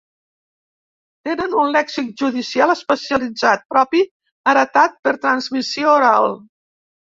Tenen un lèxic judicial especialitzat propi heretat per transmissió oral.